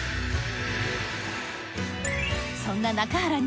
そんな中原